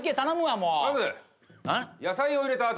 まず野菜を入れたあと。